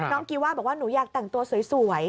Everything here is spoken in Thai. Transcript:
กีว่าบอกว่าหนูอยากแต่งตัวสวย